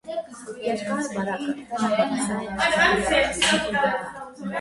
Երկար, բարակ կոթերը հավասար են թիթեղի երկարությանը։